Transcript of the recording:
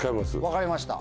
分かりました。